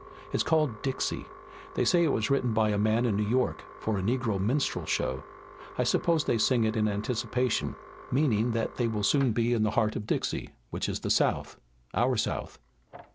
"It's called Dixie. They say it was written by a man in New York for a negro minstrel show. I suppose they sing it in anticipation, meaning that they will soon be in the heart of Dixie, which is the South, our South."